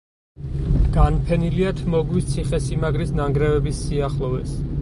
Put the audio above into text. განფენილია თმოგვის ციხესიმაგრის ნანგრევების სიახლოვეს.